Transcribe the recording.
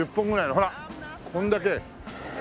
ほらこんだけ。